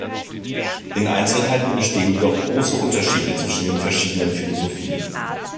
In Einzelheiten bestehen jedoch große Unterschiede zwischen den verschiedenen Philosophien.